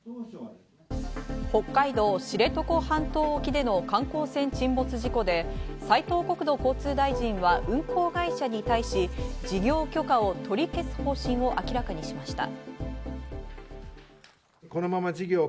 北海道知床半島沖での観光船沈没事故で斉藤国土交通大臣は運航会社に対し、事業許可を取り消す方針を明らかにしました。